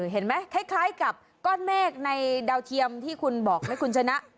คล้ายกับก้อนเมฆในดาวเทียมที่คุณบอกไหมคุณชนะ